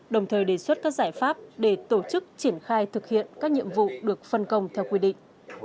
đồng thời đề xuất các giải pháp để tổ chức triển khai thực hiện các nhiệm vụ được phân công theo quy định